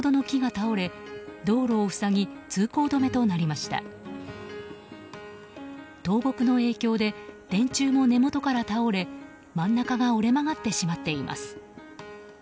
倒木の影響で電柱も根元から倒れ真ん中が折れ曲がってしまっています。